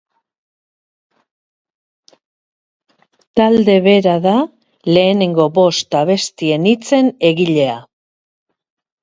Talde bera da lehenengo bost abestien hitzen egilea.